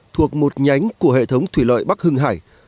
thuộc một nhánh của hệ thống thủy lợi bắc hưng hải